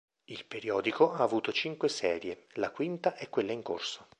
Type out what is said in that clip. Il periodico ha avuto cinque serie: la quinta è quella in corso.